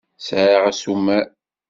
Sεiɣ asumer.